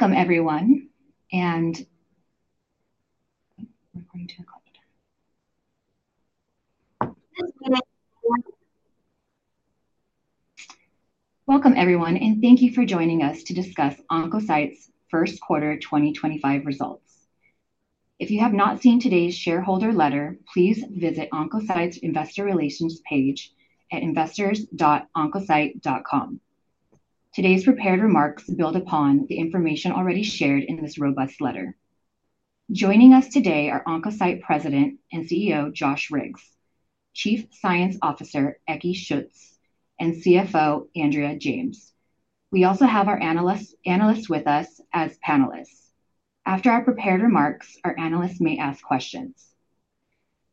Welcome, everyone, and thank you for joining us to discuss Oncocyte's First Quarter 2025 Results. If you have not seen today's shareholder letter, please visit Oncocyte's Investor Relations page at investors.oncocyte.com. Today's prepared remarks build upon the information already shared in this robust letter. Joining us today are Insight Molecular Diagnostics President and CEO Josh Riggs, Chief Science Officer Ekke Schütz, and CFO Andrea James. We also have our analysts with us as panelists. After our prepared remarks, our analysts may ask questions.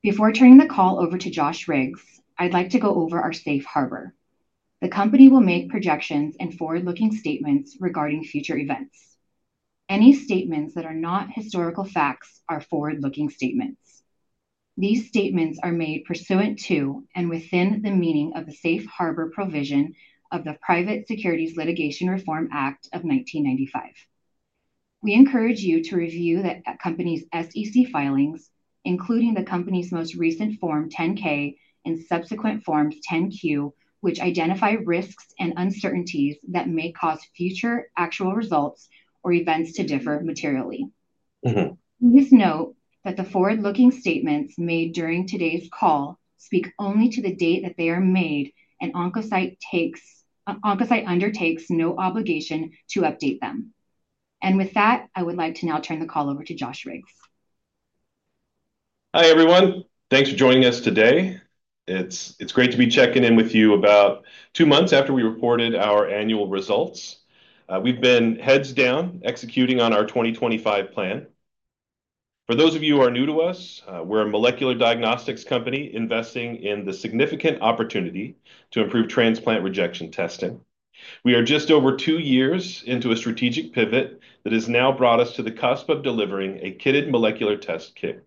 Before turning the call over to Josh Riggs, I'd like to go over our safe harbor. The company will make projections and forward-looking statements regarding future events. Any statements that are not historical facts are forward-looking statements. These statements are made pursuant to and within the meaning of the safe harbor provision of the Private Securities Litigation Reform Act of 1995. We encourage you to review the company's SEC filings, including the company's most recent Form 10-K and subsequent Forms 10-Q, which identify risks and uncertainties that may cause future actual results or events to differ materially. Please note that the forward-looking statements made during today's call speak only to the date that they are made, and Insight Molecular Diagnostics undertakes no obligation to update them. With that, I would like to now turn the call over to Josh Riggs. Hi, everyone. Thanks for joining us today. It's great to be checking in with you about two months after we reported our annual results. We've been heads down executing on our 2025 plan. For those of you who are new to us, we're a molecular diagnostics company investing in the significant opportunity to improve transplant rejection testing. We are just over two years into a strategic pivot that has now brought us to the cusp of delivering a kitted molecular test kit.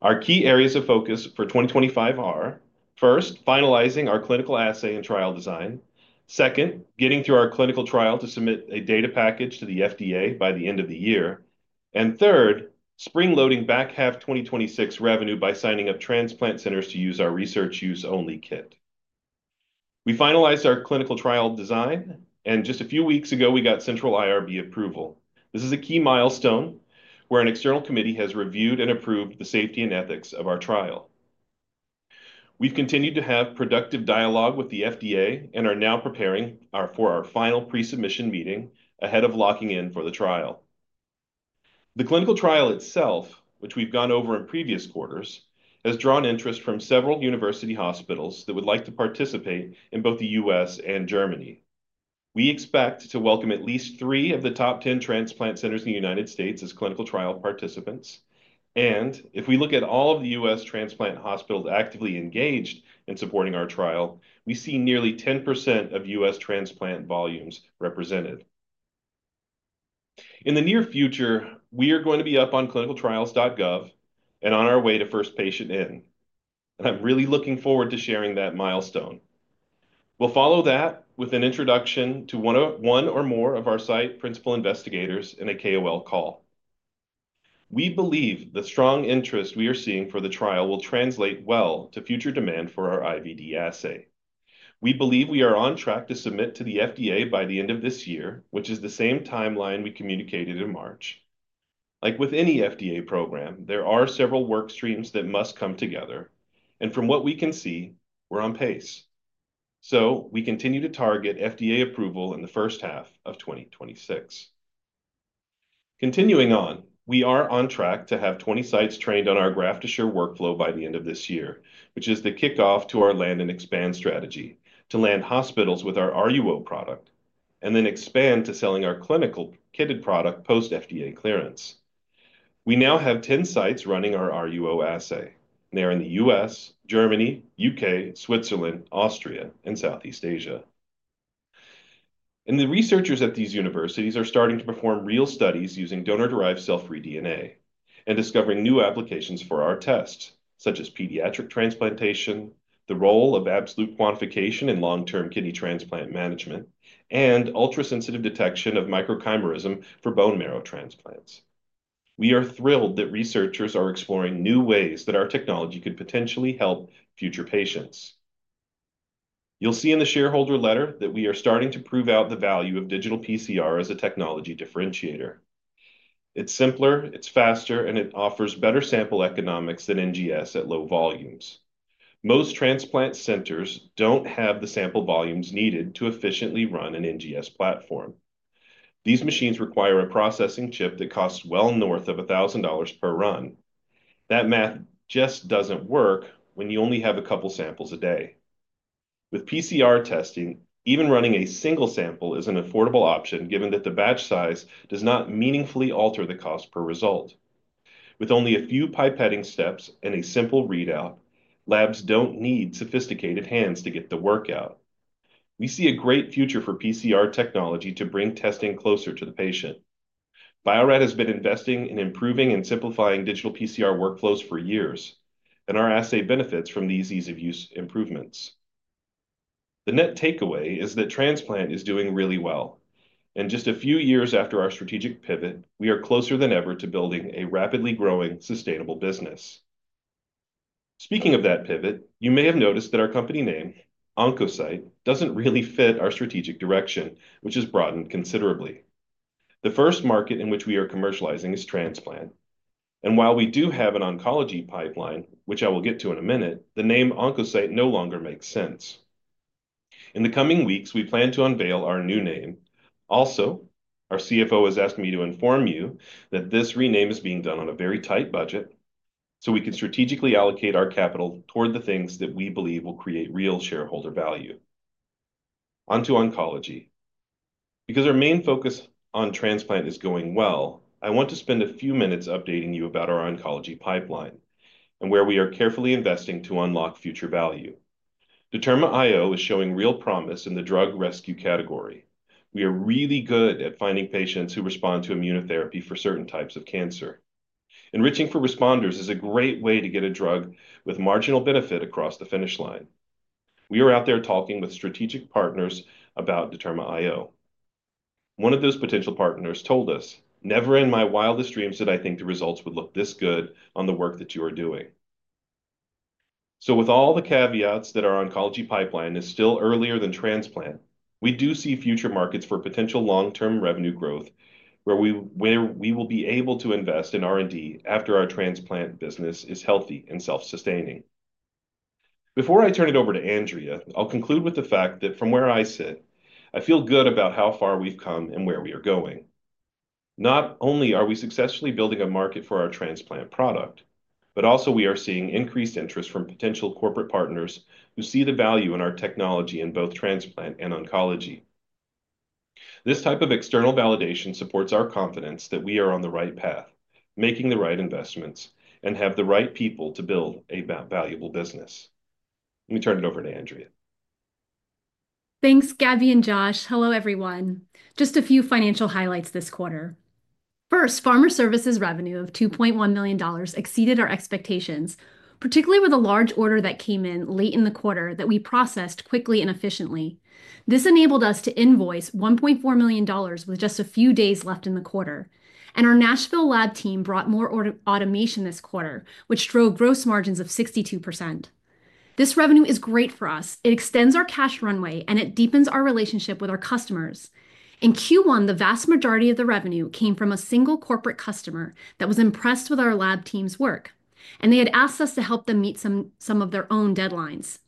Our key areas of focus for 2025 are: first, finalizing our clinical assay and trial design. Second, getting through our clinical trial to submit a data package to the FDA by the end of the year. Third, spring-loading back half 2026 revenue by signing up transplant centers to use our research use-only kit. We finalized our clinical trial design, and just a few weeks ago, we got central IRB approval. This is a key milestone where an external committee has reviewed and approved the safety and ethics of our trial. We've continued to have productive dialogue with the FDA and are now preparing for our final pre-submission meeting ahead of locking in for the trial. The clinical trial itself, which we've gone over in previous quarters, has drawn interest from several university hospitals that would like to participate in both the U.S. and Germany. We expect to welcome at least three of the top 10 transplant centers in the United States as clinical trial participants. If we look at all of the U.S. transplant hospitals actively engaged in supporting our trial, we see nearly 10% of U.S. transplant volumes represented. In the near future, we are going to be up on clinicaltrials.gov and on our way to first patient in. I'm really looking forward to sharing that milestone. We'll follow that with an introduction to one or more of our site principal investigators in a KOL call. We believe the strong interest we are seeing for the trial will translate well to future demand for our IVD assay. We believe we are on track to submit to the FDA by the end of this year, which is the same timeline we communicated in March. Like with any FDA program, there are several work streams that must come together. From what we can see, we're on pace. We continue to target FDA approval in the first half of 2026. Continuing on, we are on track to have 20 sites trained on our GraftAssure workflow by the end of this year, which is the kickoff to our land and expand strategy to land hospitals with our RUO product and then expand to selling our clinical kitted product post-FDA clearance. We now have 10 sites running our RUO assay. They're in the U.S., Germany, U.K., Switzerland, Austria, and Southeast Asia. The researchers at these universities are starting to perform real studies using donor-derived cell-free DNA and discovering new applications for our tests, such as pediatric transplantation, the role of absolute quantification in long-term kidney transplant management, and ultrasensitive detection of microchimerism for bone marrow transplants. We are thrilled that researchers are exploring new ways that our technology could potentially help future patients. You'll see in the shareholder letter that we are starting to prove out the value of Digital PCR as a technology differentiator. It's simpler, it's faster, and it offers better sample economics than NGS at low volumes. Most transplant centers don't have the sample volumes needed to efficiently run an NGS platform. These machines require a processing chip that costs well north of $1,000 per run. That math just doesn't work when you only have a couple samples a day. With PCR testing, even running a single sample is an affordable option given that the batch size does not meaningfully alter the cost per result. With only a few pipetting steps and a simple readout, labs don't need sophisticated hands to get the work out. We see a great future for PCR technology to bring testing closer to the patient. Bio-Rad has been investing in improving and simplifying digital PCR workflows for years, and our assay benefits from these ease-of-use improvements. The net takeaway is that transplant is doing really well. Just a few years after our strategic pivot, we are closer than ever to building a rapidly growing sustainable business. Speaking of that pivot, you may have noticed that our company name, Oncocyte, does not really fit our strategic direction, which has broadened considerably. The first market in which we are commercializing is transplant. While we do have an oncology pipeline, which I will get to in a minute, the name Oncocyte no longer makes sense. In the coming weeks, we plan to unveil our new name. Also, our CFO has asked me to inform you that this rename is being done on a very tight budget so we can strategically allocate our capital toward the things that we believe will create real shareholder value. Onto oncology. Because our main focus on transplant is going well, I want to spend a few minutes updating you about our oncology pipeline and where we are carefully investing to unlock future value. DetermaIO is showing real promise in the drug rescue category. We are really good at finding patients who respond to immunotherapy for certain types of cancer. Enriching for responders is a great way to get a drug with marginal benefit across the finish line. We are out there talking with strategic partners about DetermaIO. One of those potential partners told us, "Never in my wildest dreams did I think the results would look this good on the work that you are doing." With all the caveats that our oncology pipeline is still earlier than transplant, we do see future markets for potential long-term revenue growth where we will be able to invest in R&D after our transplant business is healthy and self-sustaining. Before I turn it over to Andrea, I'll conclude with the fact that from where I sit, I feel good about how far we've come and where we are going. Not only are we successfully building a market for our transplant product, but also we are seeing increased interest from potential corporate partners who see the value in our technology in both transplant and oncology. This type of external validation supports our confidence that we are on the right path, making the right investments, and have the right people to build a valuable business. Let me turn it over to Andrea. Thanks, Gabby and Josh. Hello, everyone. Just a few financial highlights this quarter. First, pharma services revenue of $2.1 million exceeded our expectations, particularly with a large order that came in late in the quarter that we processed quickly and efficiently. This enabled us to invoice $1.4 million with just a few days left in the quarter. Our Nashville lab team brought more automation this quarter, which drove gross margins of 62%. This revenue is great for us. It extends our cash runway, and it deepens our relationship with our customers. In Q1, the vast majority of the revenue came from a single corporate customer that was impressed with our lab team's work, and they had asked us to help them meet some of their own deadlines.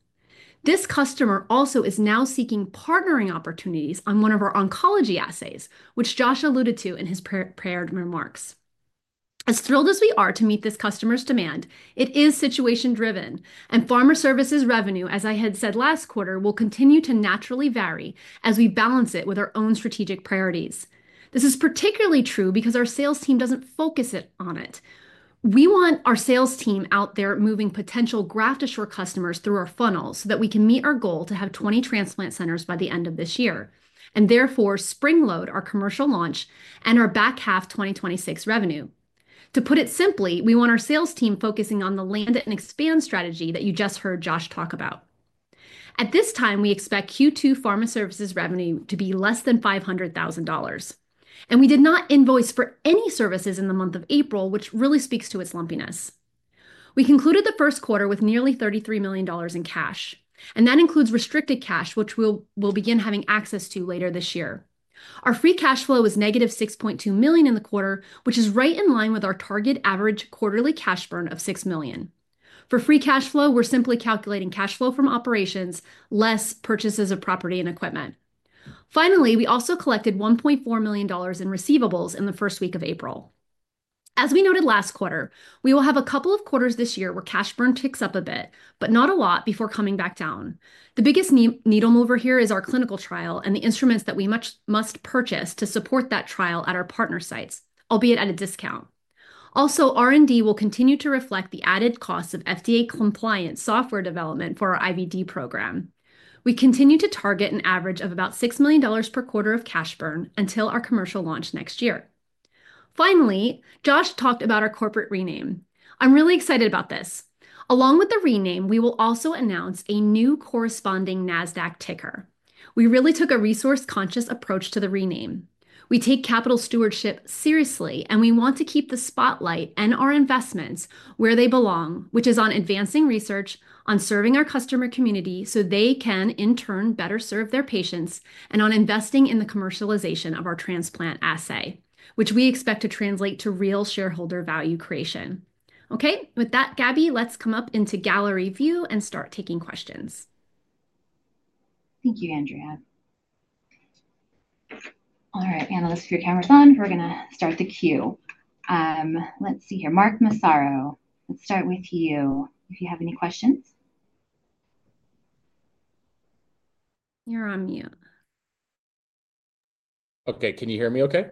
This customer also is now seeking partnering opportunities on one of our oncology assays, which Josh alluded to in his prepared remarks. As thrilled as we are to meet this customer's demand, it is situation-driven, and pharma services revenue, as I had said last quarter, will continue to naturally vary as we balance it with our own strategic priorities. This is particularly true because our sales team does not focus on it. We want our sales team out there moving potential GraftSure customers through our funnel so that we can meet our goal to have 20 transplant centers by the end of this year and therefore spring-load our commercial launch and our back half 2026 revenue. To put it simply, we want our sales team focusing on the land and expand strategy that you just heard Josh talk about. At this time, we expect Q2 pharma services revenue to be less than $500,000. We did not invoice for any services in the month of April, which really speaks to its lumpiness. We concluded the first quarter with nearly $33 million in cash, and that includes restricted cash, which we'll begin having access to later this year. Our free cash flow was negative $6.2 million in the quarter, which is right in line with our target average quarterly cash burn of $6 million. For free cash flow, we're simply calculating cash flow from operations less purchases of property and equipment. Finally, we also collected $1.4 million in receivables in the first week of April. As we noted last quarter, we will have a couple of quarters this year where cash burn ticks up a bit, but not a lot before coming back down. The biggest needle mover here is our clinical trial and the instruments that we must purchase to support that trial at our partner sites, albeit at a discount. Also, R&D will continue to reflect the added costs of FDA-compliant software development for our IVD program. We continue to target an average of about $6 million per quarter of cash burn until our commercial launch next year. Finally, Josh talked about our corporate rename. I'm really excited about this. Along with the rename, we will also announce a new corresponding NASDAQ ticker. We really took a resource-conscious approach to the rename. We take capital stewardship seriously, and we want to keep the spotlight and our investments where they belong, which is on advancing research, on serving our customer community so they can, in turn, better serve their patients, and on investing in the commercialization of our transplant assay, which we expect to translate to real shareholder value creation. Okay, with that, Gabby, let's come up into gallery view and start taking questions. Thank you, Andrea. All right, analysts, if your camera's on, we're going to start the queue. Let's see here. Mark Massaro, let's start with you. If you have any questions. You're on mute. Okay, can you hear me okay?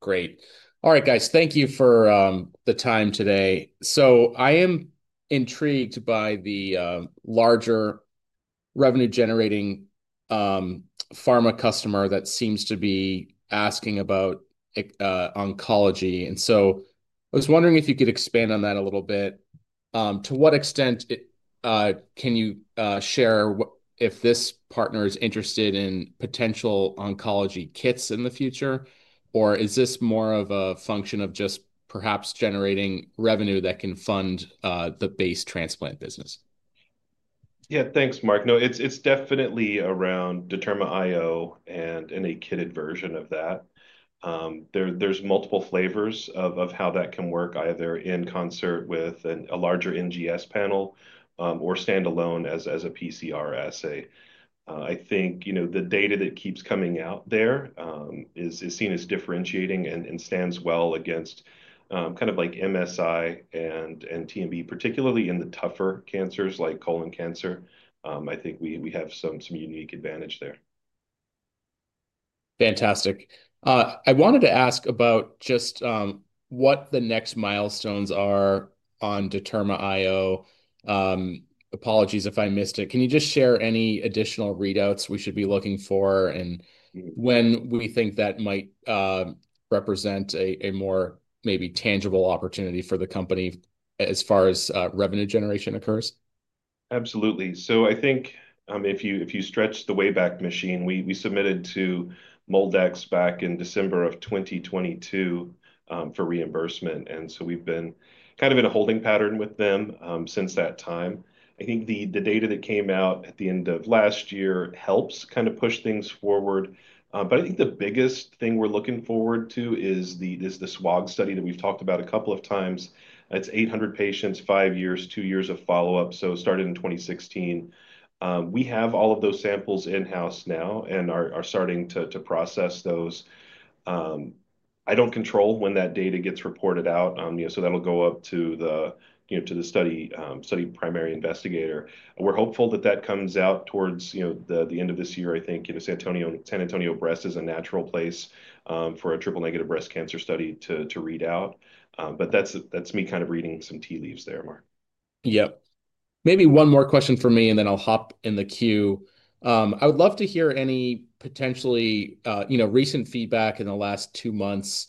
Great. All right, guys, thank you for the time today. I am intrigued by the larger revenue-generating pharma customer that seems to be asking about oncology. I was wondering if you could expand on that a little bit. To what extent can you share if this partner is interested in potential oncology kits in the future, or is this more of a function of just perhaps generating revenue that can fund the base transplant business? Yeah, thanks, Mark. No, it's definitely around DetermaIO and a kitted version of that. There's multiple flavors of how that can work, either in concert with a larger NGS panel or standalone as a PCR assay. I think the data that keeps coming out there is seen as differentiating and stands well against kind of like MSI and TMB, particularly in the tougher cancers like colon cancer. I think we have some unique advantage there. Fantastic. I wanted to ask about just what the next milestones are on DetermaIO. Apologies if I missed it. Can you just share any additional readouts we should be looking for and when we think that might represent a more maybe tangible opportunity for the company as far as revenue generation occurs? Absolutely. I think if you stretch the wayback machine, we submitted to MolDX back in December 2022 for reimbursement. We have been kind of in a holding pattern with them since that time. I think the data that came out at the end of last year helps kind of push things forward. I think the biggest thing we are looking forward to is the swab study that we have talked about a couple of times. It is 800 patients, five years, two years of follow-up, so started in 2016. We have all of those samples in-house now and are starting to process those. I do not control when that data gets reported out. That will go up to the study primary investigator. We are hopeful that comes out towards the end of this year, I think. San Antonio Breast is a natural place for a triple-negative breast cancer study to read out. That is me kind of reading some tea leaves there, Mark. Yep. Maybe one more question for me, and then I'll hop in the queue. I would love to hear any potentially recent feedback in the last two months,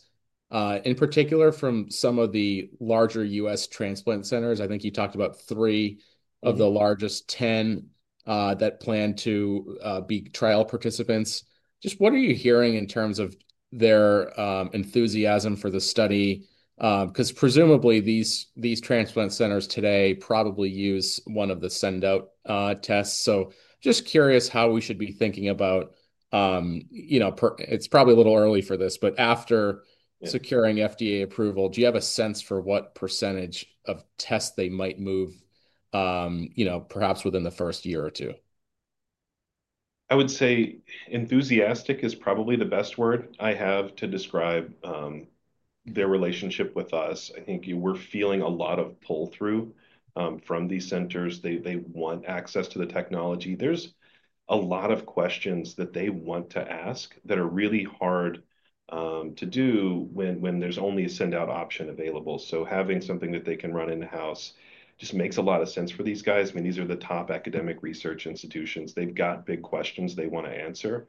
in particular from some of the larger U.S. transplant centers. I think you talked about three of the largest 10 that plan to be trial participants. Just what are you hearing in terms of their enthusiasm for the study? Because presumably these transplant centers today probably use one of the send-out tests. Just curious how we should be thinking about it's probably a little early for this, but after securing FDA approval, do you have a sense for what percentage of tests they might move, perhaps within the first year or two? I would say enthusiastic is probably the best word I have to describe their relationship with us. I think we're feeling a lot of pull-through from these centers. They want access to the technology. There's a lot of questions that they want to ask that are really hard to do when there's only a send-out option available. Having something that they can run in-house just makes a lot of sense for these guys. I mean, these are the top academic research institutions. They've got big questions they want to answer.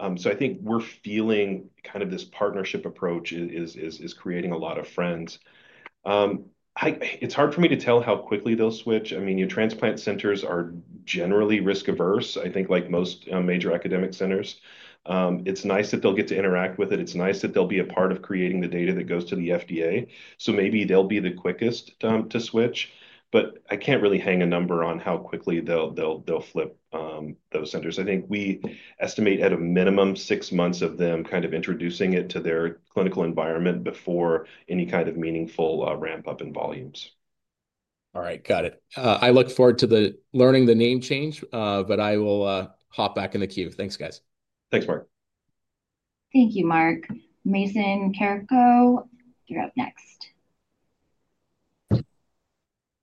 I think we're feeling kind of this partnership approach is creating a lot of friends. It's hard for me to tell how quickly they'll switch. I mean, your transplant centers are generally risk-averse, I think, like most major academic centers. It's nice that they'll get to interact with it. It's nice that they'll be a part of creating the data that goes to the FDA. Maybe they'll be the quickest to switch. I can't really hang a number on how quickly they'll flip those centers. I think we estimate at a minimum six months of them kind of introducing it to their clinical environment before any kind of meaningful ramp-up in volumes. All right, got it. I look forward to learning the name change, but I will hop back in the queue. Thanks, guys. Thanks, Mark. Thank you, Mark. Mason Carrico, you're up next.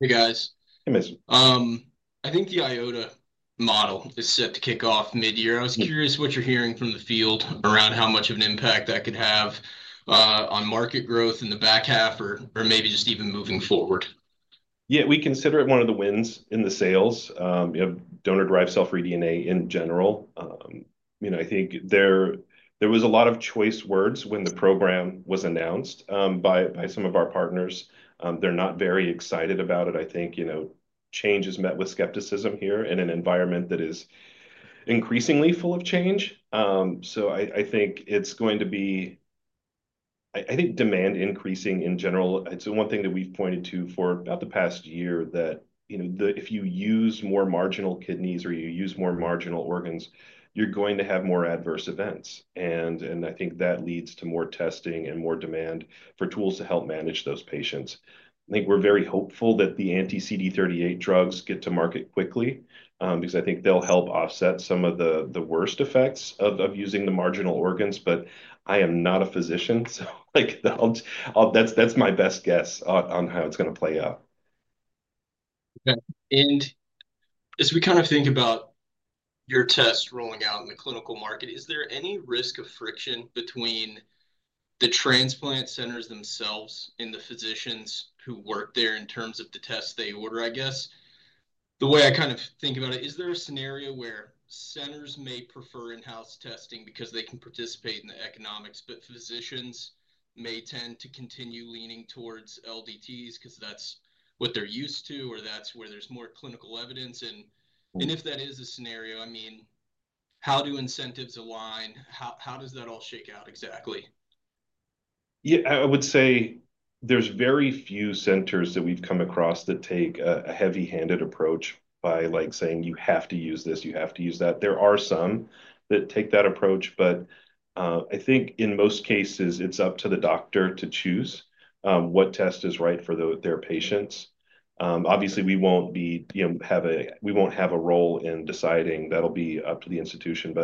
Hey, guys. Hey, Mason. I think the IOTA model is set to kick off mid-year. I was curious what you're hearing from the field around how much of an impact that could have on market growth in the back half or maybe just even moving forward. Yeah, we consider it one of the wins in the sales. Donor-derived cell-free DNA in general. I think there was a lot of choice words when the program was announced by some of our partners. They're not very excited about it. I think change is met with skepticism here in an environment that is increasingly full of change. I think it's going to be, I think, demand increasing in general. It's one thing that we've pointed to for about the past year that if you use more marginal kidneys or you use more marginal organs, you're going to have more adverse events. I think that leads to more testing and more demand for tools to help manage those patients. I think we're very hopeful that the anti-CD38 drugs get to market quickly because I think they'll help offset some of the worst effects of using the marginal organs. I am not a physician, so that's my best guess on how it's going to play out. As we kind of think about your tests rolling out in the clinical market, is there any risk of friction between the transplant centers themselves and the physicians who work there in terms of the tests they order, I guess? The way I kind of think about it, is there a scenario where centers may prefer in-house testing because they can participate in the economics, but physicians may tend to continue leaning towards LDTs because that is what they are used to or that is where there is more clinical evidence? If that is a scenario, I mean, how do incentives align? How does that all shake out exactly? Yeah, I would say there's very few centers that we've come across that take a heavy-handed approach by saying, "You have to use this. You have to use that." There are some that take that approach, but I think in most cases, it's up to the doctor to choose what test is right for their patients. Obviously, we won't have a role in deciding. That'll be up to the institution.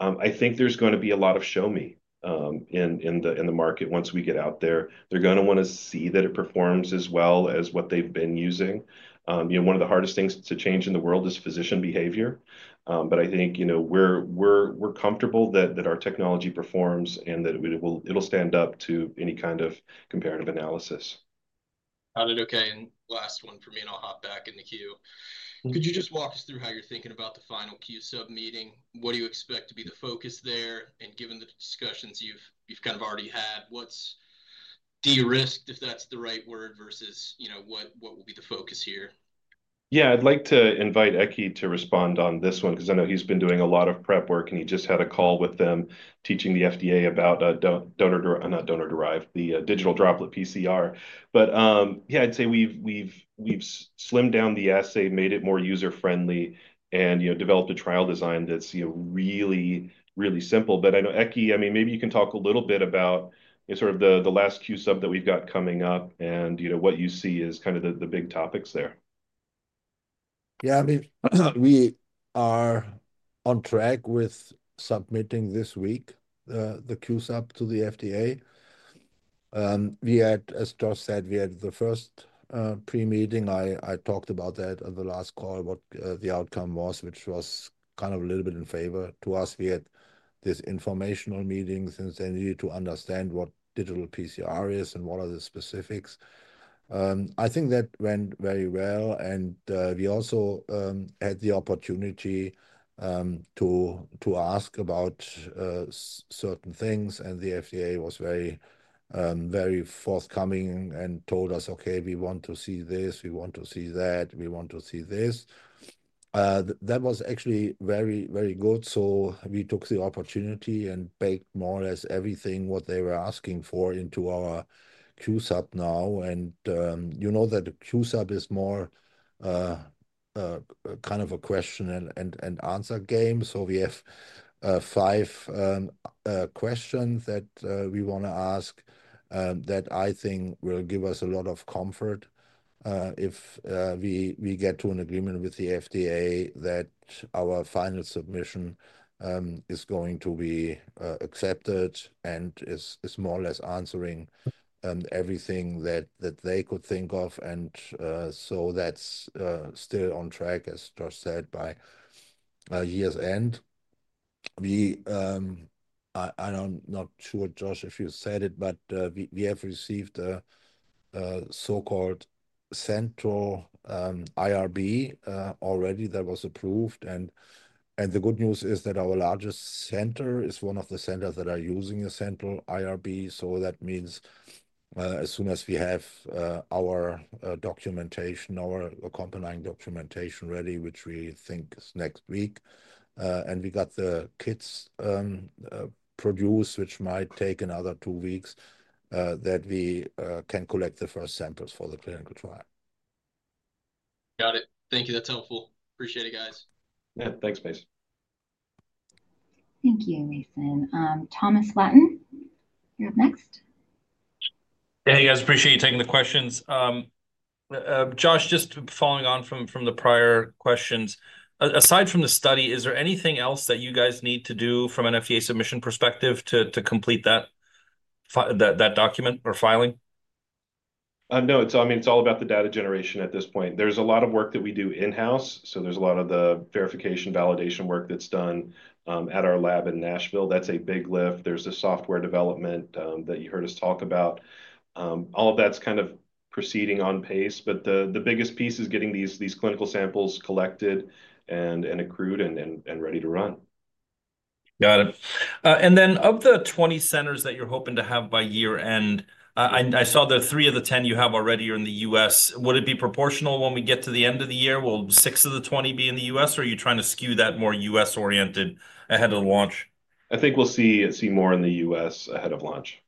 I think there's going to be a lot of show me in the market once we get out there. They're going to want to see that it performs as well as what they've been using. One of the hardest things to change in the world is physician behavior. I think we're comfortable that our technology performs and that it'll stand up to any kind of comparative analysis. Got it. Okay. Last one for me, and I'll hop back in the queue. Could you just walk us through how you're thinking about the final Q sub meeting? What do you expect to be the focus there? Given the discussions you've kind of already had, what's de-risked, if that's the right word, versus what will be the focus here? Yeah, I'd like to invite Ekke to respond on this one because I know he's been doing a lot of prep work, and he just had a call with them teaching the FDA about donor-derived, the digital droplet PCR. I'd say we've slimmed down the assay, made it more user-friendly, and developed a trial design that's really, really simple. I know, Ekke, I mean, maybe you can talk a little bit about sort of the last Q sub that we've got coming up and what you see as kind of the big topics there. Yeah, I mean, we are on track with submitting this week the Q sub to the FDA. As Josh said, we had the first pre-meeting. I talked about that at the last call, what the outcome was, which was kind of a little bit in favor to us. We had this informational meeting since they needed to understand what digital PCR is and what are the specifics. I think that went very well. We also had the opportunity to ask about certain things, and the FDA was very forthcoming and told us, "Okay, we want to see this. We want to see that. We want to see this." That was actually very, very good. We took the opportunity and baked more or less everything what they were asking for into our Q sub now. You know that the Q sub is more kind of a question and answer game. We have five questions that we want to ask that I think will give us a lot of comfort if we get to an agreement with the FDA that our final submission is going to be accepted and is more or less answering everything that they could think of. That is still on track, as Josh said, by year's end. I'm not sure, Josh, if you said it, but we have received a so-called central IRB already that was approved. The good news is that our largest center is one of the centers that are using a central IRB. That means as soon as we have our documentation, our accompanying documentation ready, which we think is next week, and we got the kits produced, which might take another two weeks, that we can collect the first samples for the clinical trial. Got it. Thank you. That's helpful. Appreciate it, guys. Yeah, thanks, base. Thank you, Mason. Thomas Flaten, you're up next. Hey, guys. Appreciate you taking the questions. Josh, just following on from the prior questions, aside from the study, is there anything else that you guys need to do from an FDA submission perspective to complete that document or filing? No. I mean, it's all about the data generation at this point. There's a lot of work that we do in-house. There's a lot of the verification validation work that's done at our lab in Nashville. That's a big lift. There's a software development that you heard us talk about. All of that's kind of proceeding on pace. The biggest piece is getting these clinical samples collected and accrued and ready to run. Got it. And then of the 20 centers that you're hoping to have by year-end, I saw that three of the 10 you have already are in the U.S.. Would it be proportional when we get to the end of the year? Will six of the 20 be in the U.S., or are you trying to skew that more U.S.-oriented ahead of launch? I think we'll see more in the U.S. ahead of launch.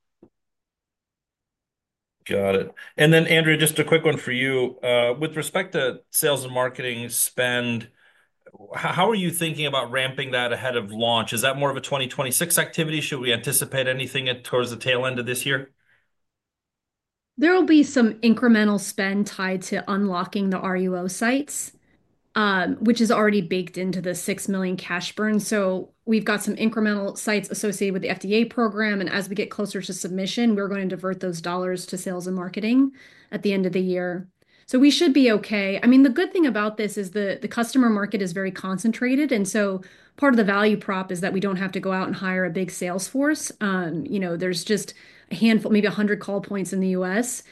Got it. Andrea, just a quick one for you. With respect to sales and marketing spend, how are you thinking about ramping that ahead of launch? Is that more of a 2026 activity? Should we anticipate anything towards the tail end of this year? There will be some incremental spend tied to unlocking the RUO sites, which is already baked into the $6 million cash burn. We have some incremental sites associated with the FDA program. As we get closer to submission, we are going to divert those dollars to sales and marketing at the end of the year. We should be okay. I mean, the good thing about this is the customer market is very concentrated. Part of the value prop is that we do not have to go out and hire a big sales force. There is just a handful, maybe 100 call points in the U.S.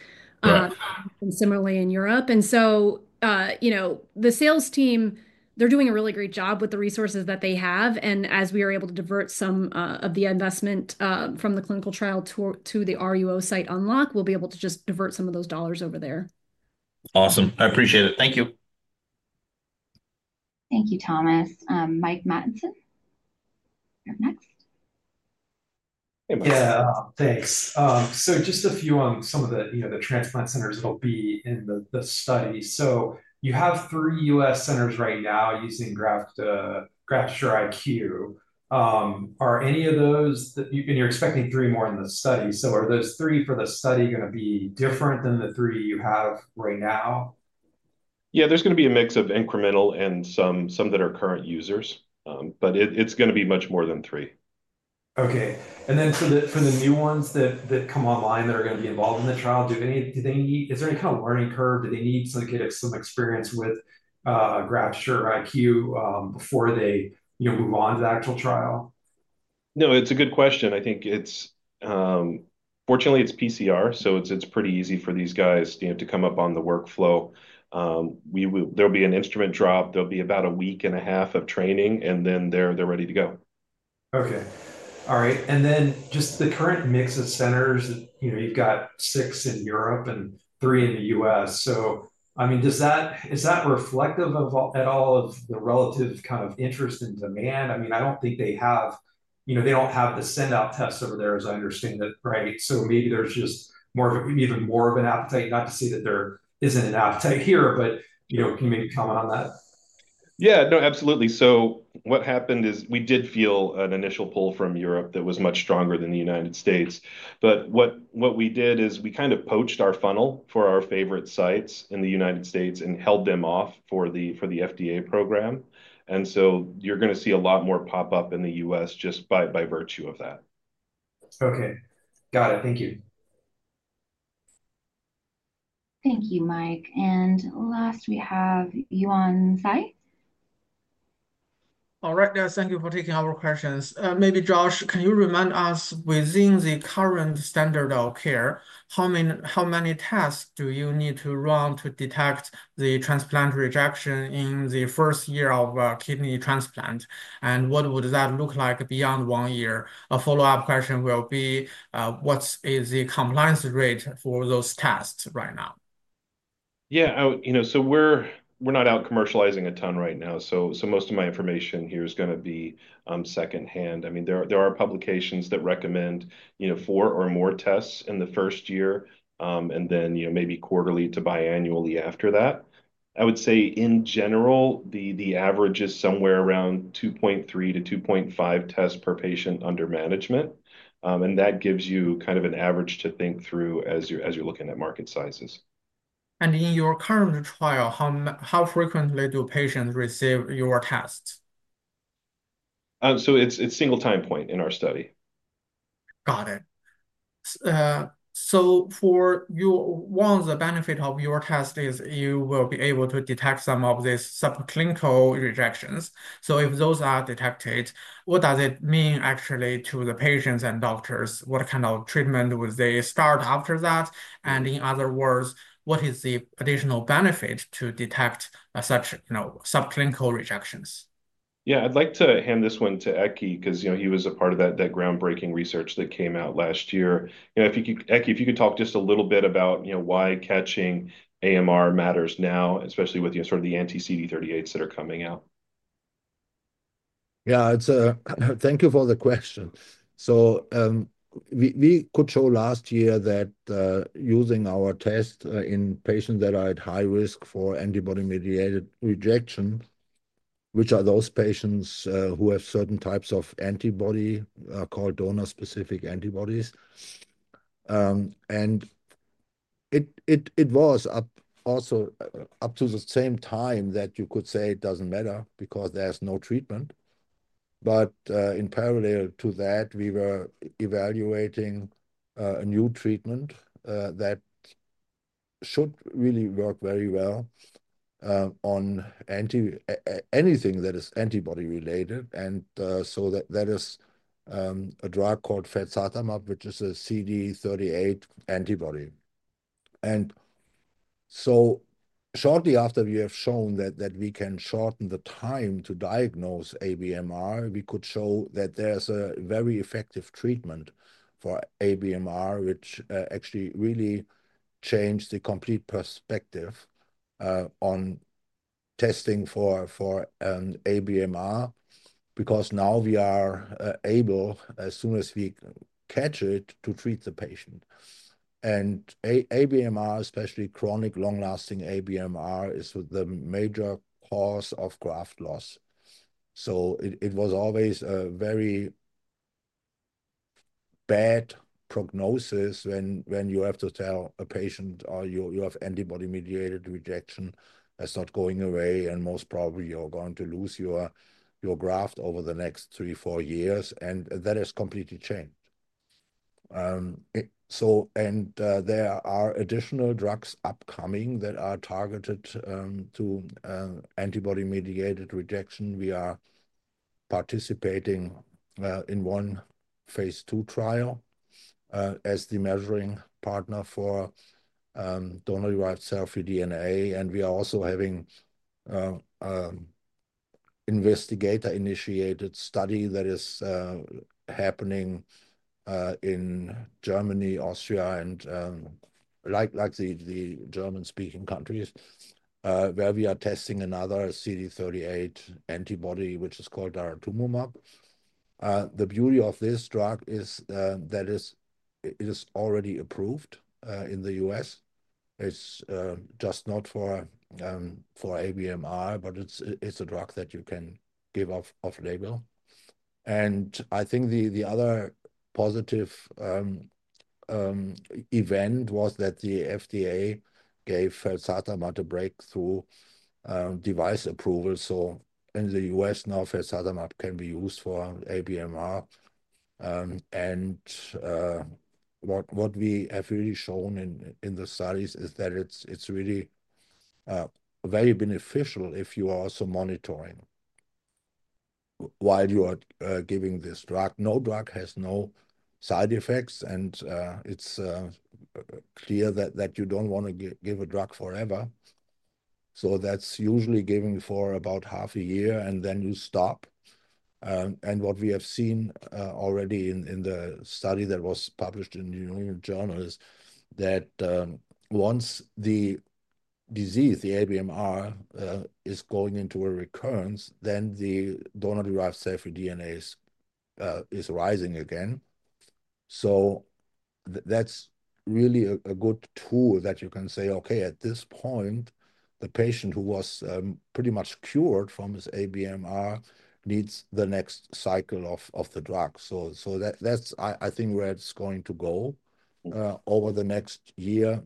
and similarly in Europe. The sales team, they are doing a really great job with the resources that they have. As we are able to divert some of the investment from the clinical trial to the RUO site unlock, we'll be able to just divert some of those dollars over there. Awesome. I appreciate it. Thank you. Thank you, Thomas. Mike Matson, you're up next. Yeah, thanks. Just a few on some of the transplant centers that'll be in the study. You have three U.S. centers right now using GraftAssureIQ. Are any of those that you're expecting three more in the study? Are those three for the study going to be different than the three you have right now? Yeah, there's going to be a mix of incremental and some that are current users. It is going to be much more than three. Okay. For the new ones that come online that are going to be involved in the trial, is there any kind of learning curve? Do they need some experience with GraftAssureIQ before they move on to the actual trial? No, it's a good question. I think fortunately, it's PCR. So it's pretty easy for these guys to come up on the workflow. There'll be an instrument drop. There'll be about a week and a half of training, and then they're ready to go. Okay. All right. And then just the current mix of centers, you've got six in Europe and three in the U.S. I mean, is that reflective at all of the relative kind of interest and demand? I mean, I don't think they have they don't have the send-out tests over there, as I understand it, right? Maybe there's just even more of an appetite. Not to say that there isn't an appetite here, but can you maybe comment on that? Yeah, no, absolutely. What happened is we did feel an initial pull from Europe that was much stronger than the United States. What we did is we kind of poached our funnel for our favorite sites in the U.S. and held them off for the FDA program. You are going to see a lot more pop up in the U.S. just by virtue of that. Okay. Got it. Thank you. Thank you, Mike. And last, we have Yuan Zhi. All right, guys. Thank you for taking our questions. Maybe Josh, can you remind us within the current standard of care, how many tests do you need to run to detect the transplant rejection in the first year of a kidney transplant? What would that look like beyond one year? A follow-up question will be, what is the compliance rate for those tests right now? Yeah. We're not out commercializing a ton right now. Most of my information here is going to be secondhand. I mean, there are publications that recommend four or more tests in the first year and then maybe quarterly to biannually after that. I would say, in general, the average is somewhere around 2.3-2.5 tests per patient under management. That gives you kind of an average to think through as you're looking at market sizes. In your current trial, how frequently do patients receive your tests? It's single-time point in our study. Got it. One of the benefits of your test is you will be able to detect some of these subclinical rejections. If those are detected, what does it mean actually to the patients and doctors? What kind of treatment would they start after that? In other words, what is the additional benefit to detect such subclinical rejections? Yeah, I'd like to hand this one to Ekke because he was a part of that groundbreaking research that came out last year. Ekke, if you could talk just a little bit about why catching AMR matters now, especially with sort of the anti-CD38s that are coming out. Yeah, thank you for the question. We could show last year that using our test in patients that are at high risk for antibody-mediated rejection, which are those patients who have certain types of antibody called donor-specific antibodies. It was also up to the same time that you could say it does not matter because there is no treatment. In parallel to that, we were evaluating a new treatment that should really work very well on anything that is antibody-related. That is a drug called felzartamab, which is a CD38 antibody. Shortly after we have shown that we can shorten the time to diagnose ABMR, we could show that there is a very effective treatment for ABMR, which actually really changed the complete perspective on testing for ABMR because now we are able, as soon as we catch it, to treat the patient. ABMR, especially chronic long-lasting ABMR, is the major cause of graft loss. It was always a very bad prognosis when you have to tell a patient you have antibody-mediated rejection that is not going away, and most probably you are going to lose your graft over the next three to four years. That has completely changed. There are additional drugs upcoming that are targeted to antibody-mediated rejection. We are participating in one phase two trial as the measuring partner for donor-derived cell-free DNA. We are also having an investigator-initiated study that is happening in Germany, Austria, and the German-speaking countries where we are testing another CD38 antibody, which is called daratumumab. The beauty of this drug is that it is already approved in the U.S. It is just not for ABMR, but it is a drug that you can give off-label. I think the other positive event was that the FDA gave felzartamab a breakthrough device approval. In the U.S., now felzartamab can be used for ABMR. What we have really shown in the studies is that it is really very beneficial if you are also monitoring while you are giving this drug. No drug has no side effects. It is clear that you do not want to give a drug forever. That is usually given for about half a year, and then you stop. What we have seen already in the study that was published in the New England Journal is that once the disease, the ABMR, is going into a recurrence, then the donor-derived cell-free DNA is rising again. That's really a good tool that you can say, "Okay, at this point, the patient who was pretty much cured from his ABMR needs the next cycle of the drug." I think where it's going to go over the next year.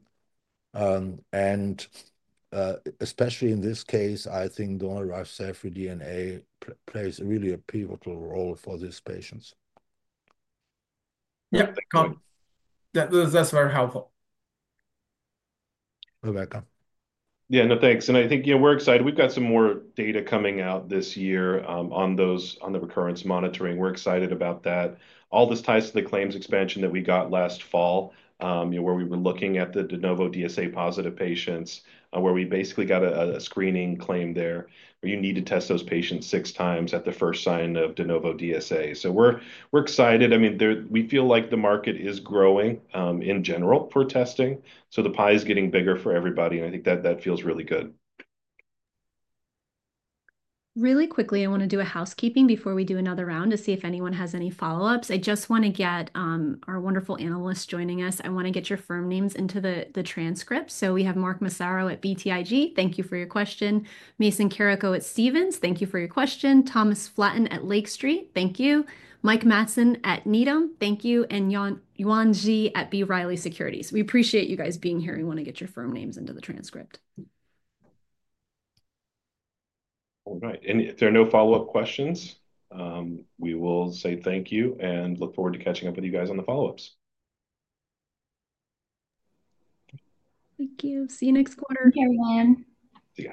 Especially in this case, I think donor-derived cell-free DNA plays really a pivotal role for these patients. Yeah, that's very helpful. You Welcome. Yeah, no, thanks. I think we're excited. We've got some more data coming out this year on the recurrence monitoring. We're excited about that. All this ties to the claims expansion that we got last fall where we were looking at the de novo DSA-positive patients where we basically got a screening claim there where you need to test those patients six times at the first sign of de novo DSA. We're excited. I mean, we feel like the market is growing in general for testing. The pie is getting bigger for everybody. I think that feels really good. Really quickly, I want to do a housekeeping before we do another round to see if anyone has any follow-ups. I just want to get our wonderful analyst joining us. I want to get your firm names into the transcript. So we have Mark Massaro at BTIG. Thank you for your question. Mason Carrico at Stephens. Thank you for your question. Thomas Flatt at Lake Street. Thank you. Mike Matson at Needham. Thank you. And Yuan Zhi at B. Riley Securities. We appreciate you guys being here. We want to get your firm names into the transcript. All right. If there are no follow-up questions, we will say thank you and look forward to catching up with you guys on the follow-ups. Thank you. See you next quarter. Take care, Everyone. See you.